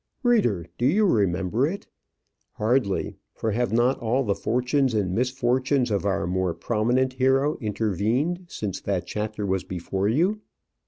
Reader, do you remember it? Hardly; for have not all the fortunes and misfortunes of our more prominent hero intervened since that chapter was before you?